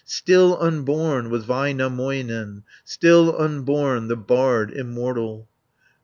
Still unborn was Väinämöinen; Still unborn, the bard immortal.